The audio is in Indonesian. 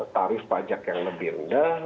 tarif pajak yang lebih rendah